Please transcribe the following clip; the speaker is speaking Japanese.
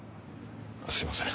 すいません。